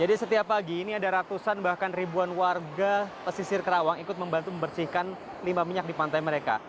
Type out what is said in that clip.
jadi setiap pagi ini ada ratusan bahkan ribuan warga pesisir karawang ikut membantu membersihkan lima minyak di pantai mereka